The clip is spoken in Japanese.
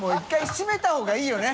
豌閉めた方がいいよね。